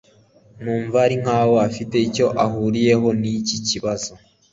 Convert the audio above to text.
Numva ari nkaho afite icyo ahuriyeho niki kibazo.